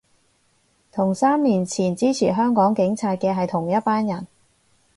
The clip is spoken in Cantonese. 同三年前支持香港警察嘅係同一班人